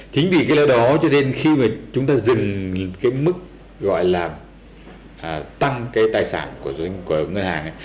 chính vì cái lời đó cho nên khi mà chúng ta dừng cái mức gọi là tăng cái tài sản của ngân hàng